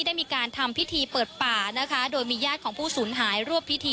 ได้มีการทำพิธีเปิดป่านะคะโดยมีญาติของผู้สูญหายรวบพิธี